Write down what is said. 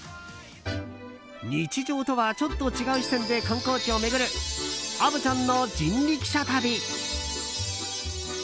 日常とはちょっと違う視点で観光地を巡る虻ちゃんの人力車旅。